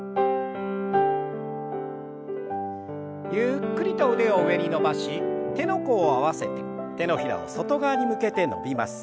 ゆっくりと腕を上に伸ばし手の甲を合わせて手のひらを外側に向けて伸びます。